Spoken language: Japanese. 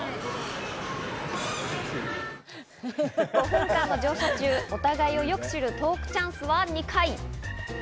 ５分間の乗車中、お互いをよく知るトークチャンスは２回。